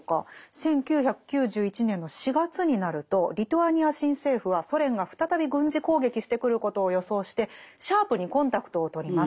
１９９１年の４月になるとリトアニア新政府はソ連が再び軍事攻撃してくることを予想してシャープにコンタクトをとります。